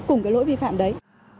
cùng cái lỗi vi phạm đấy